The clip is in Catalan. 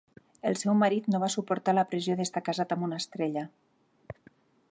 El seu marit no va suportar la pressió d'estar casat amb una estrella.